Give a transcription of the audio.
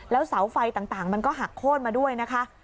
แล้วเสาไฟต่างมันก็หักโค้นมาด้วยนะคะ